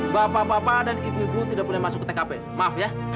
bapak bapak dan ibu ibu tidak boleh masuk ke tkp maaf ya